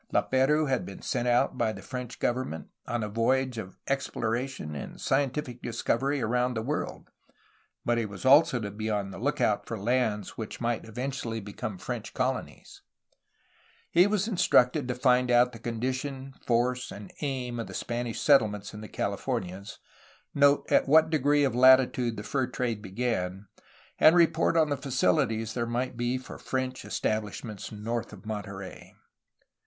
Lap^rouse had been sent out by the French government on a voyage of exploration and scientific discovery around the world, but was also to be on the look 402 A HISTORY OF CALIFORNIA out for lands which might eventually become French col onies. He was instructed to find out the condition, force, and aim of the Spanish settlements in the Californias, note at what degree of latitude the fur trade began, and report on the faciUties there might be for French estabHshments north of Monterey.